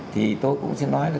thì tôi cũng sẽ nói là